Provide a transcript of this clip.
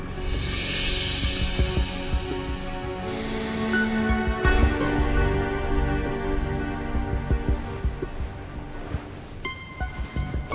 kamu tenang ya